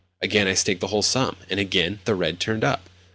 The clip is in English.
Again I staked the whole sum, and again the red turned up.